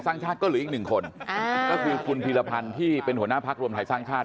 ก็เหลืออีกหนึ่งคนก็คือคุณภีรพันธ์ที่เป็นหัวหน้าพักรวมถ่ายสร้างคาด